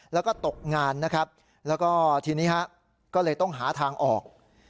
แล้วก็ตกงานนะครับแล้วก็ทีนี้ฮะก็เลยต้องหาทางออก